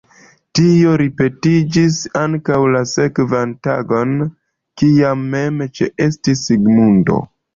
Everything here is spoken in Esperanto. Tio ripetiĝis ankaŭ la sekvan tagon, kiam mem ĉeestis Sigmundo.